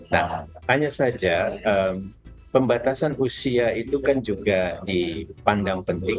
nah hanya saja pembatasan usia itu kan juga dipandang penting